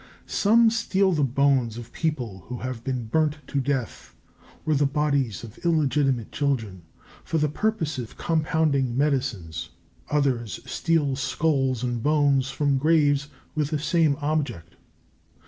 Some steal the bones of people who have been burnt to death or the bodies of illegitimate children, for the purpose of compounding medicines; others steal skulls and bones (from graves) with the same object.